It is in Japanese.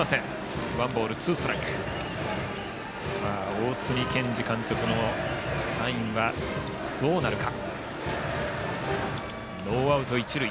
大角健二監督のサインはどうなるか。